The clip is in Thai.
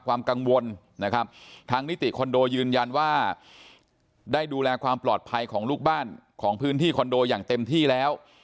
ความกังวลนะครับทางนิติคอนโดยืนยันว่าได้ดูแลความปลอดภัยของลูกบ้านของพื้นที่คอนโดอย่างเต็มที่แล้ว